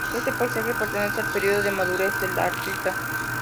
Este paisaje pertenece al período de madurez del artista.